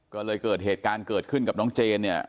ก็เลยเกิดเหตุการณ์เกิดขึ้นกับน้องเจนเนี่ย